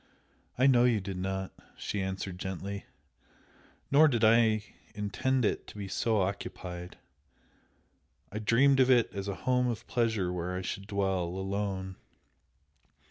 "I know you did not;" =she answered, gently "Nor did I intend it to be so occupied. I dreamed of it as a home of pleasure where I should dwell alone!